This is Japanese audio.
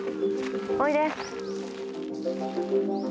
おいで。